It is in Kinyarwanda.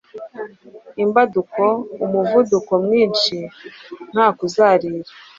Imbaduko: umuvuduko mwinshi nta kuzarira